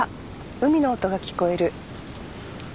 海の音が聞こえる。